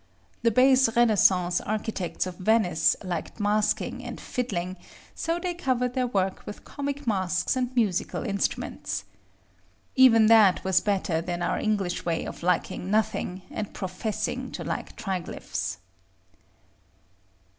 The base Renaissance architects of Venice liked masquing and fiddling; so they covered their work with comic masks and musical instruments. Even that was better than our English way of liking nothing, and professing to like triglyphs.